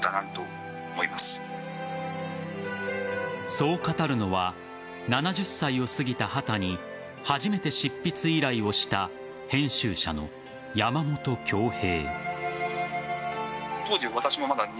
そう語るのは７０歳を過ぎた畑人初めて執筆依頼をした編集者の山本恭平。